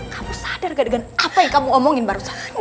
kamu sadar gak dengan apa yang kamu omongin barusan